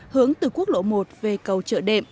hướng từ quốc lộ một về cầu trợ